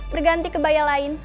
berganti kebaya lain